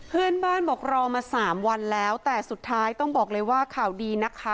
เพื่อนบ้านบอกรอมาสามวันแล้วแต่สุดท้ายต้องบอกเลยว่าข่าวดีนะคะ